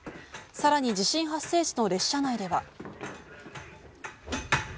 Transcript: さらに地震発生時の列車内では。